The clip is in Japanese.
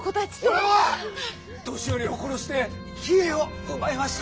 俺は年寄りを殺してひえを奪いました！